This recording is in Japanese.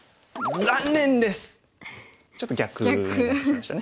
ちょっと逆になってしまいましたね。